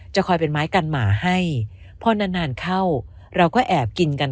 คอยเป็นไม้กันหมาให้พอนานนานเข้าเราก็แอบกินกัน